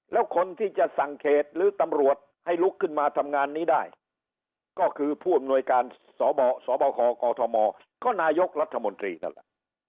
แล้วคนที่จะสั่งเขตหรือตำรวจให้ลุกขึ้นมาทำงานนี้ได้ก็คือผู้อำนวยการสบคกมก็นายกรัฐมนตรีนั่นแหละ